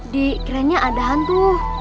di kerennya ada hantu